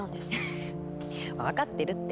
フフフ分かってるって。